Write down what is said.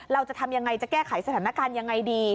เราจะทำยังไงจะแก้ไขสถานการณ์ยังไงดี